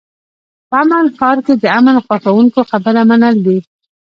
په امن ښار کې د امن خوښوونکو خبره منل دي.